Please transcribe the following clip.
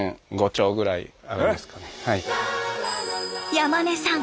山根さん